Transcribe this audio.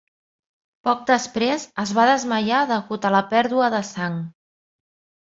Poc després es va desmaiar degut a la pèrdua de sang.